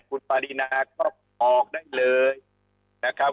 คุณปารีนาก็ออกได้เลยนะครับ